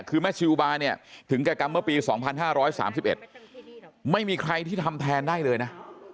คือแม่ชิลบาร์เนี่ยถึงแก่กรรมเมื่อปี๒๕๓๑ไม่มีใครที่ทำแทนได้เลยนะ